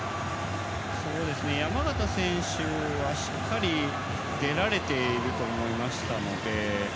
山縣選手はしっかり出られていると思いましたので。